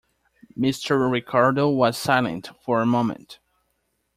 Mr. Ricardo was silent for a moment.